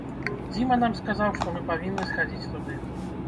Дзіма нам сказаў, што мы павінны схадзіць туды.